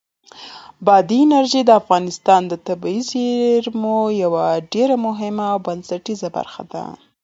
بادي انرژي د افغانستان د طبیعي زیرمو یوه ډېره مهمه او بنسټیزه برخه ده.